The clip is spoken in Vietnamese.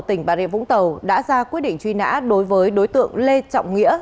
tỉnh bà rịa vũng tàu đã ra quyết định truy nã đối với đối tượng lê trọng nghĩa